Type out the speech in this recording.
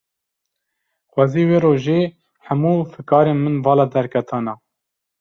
Xwezî wê rojê, hemû fikarên min vala derketana